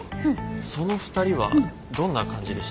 その２人はどんな感じでした？